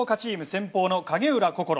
先鋒の影浦心。